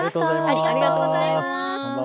ありがとうございます。